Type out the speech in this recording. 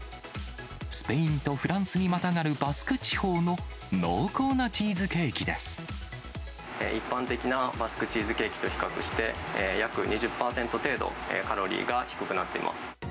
スペインとフランスにまたがるバスク地方の濃厚なチーズケーキで一般的なバスクチーズケーキと比較して、約２０％程度カロリーが低くなってます。